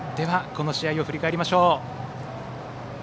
この試合を振り返りましょう。